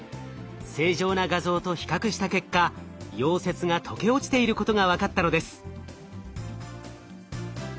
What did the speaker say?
正常な画像と比較した結果溶接が溶け落ちていることが分かったのです。